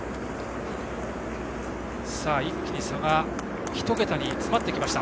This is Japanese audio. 一気に差が１桁に詰まってきました。